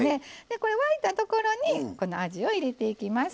これ、沸いたところにあじを入れていきます。